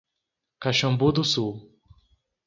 Caxambu do Sul